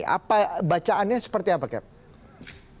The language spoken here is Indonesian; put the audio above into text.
apa bacaannya seperti apa cap